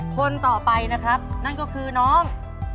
คนต่อไปนะครับนั่นก็คือน้อง